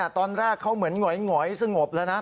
ตอนแรกเขาเหมือนหงอยสงบแล้วนะ